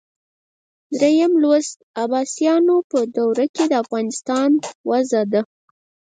دریم لوست د عباسیانو په دوره کې د افغانستان وضع ده.